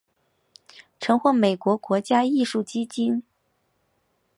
曾获美国国家艺术基金。